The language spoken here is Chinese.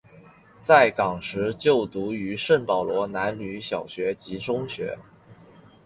在港时就读于圣保罗男女小学及中学。